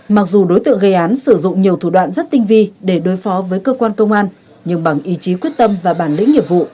mặc dù đối tượng gây án sử dụng nhiều thủ đoạn rất tinh vi để đối phó với cơ quan công an nhưng bằng ý chí quyết tâm và bản lĩnh nghiệp vụ